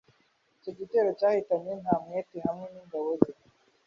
Icyo gitero cyahitanye Ntamwete hamwe n’ingabo ze